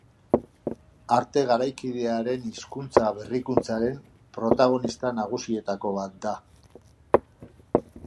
Arte garaikidearen hizkuntza-berrikuntzaren protagonista nagusietako bat da.